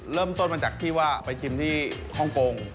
เริ่มต้นมาจากที่ว่าไปชิมที่ฮ่องกง